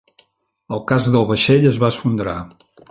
El casc del vaixell es va esfondrar.